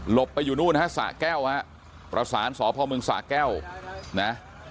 หลบไปอยู่นู้นฮะสะแก้วฮะ